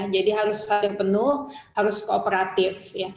jadi harus sadar penuh harus kooperatif